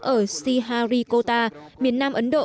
ở siharikota miền nam ấn độ